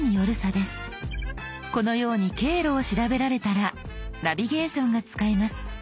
このように経路を調べられたらナビゲーションが使えます。